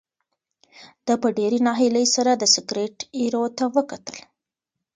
ده په ډېرې ناهیلۍ سره د سګرټ ایرو ته وکتل.